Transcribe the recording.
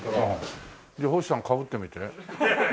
じゃあ星さんかぶってみて。